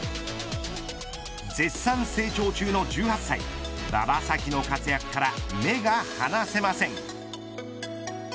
絶賛成長中の１８歳馬場咲希の活躍から目が離せません。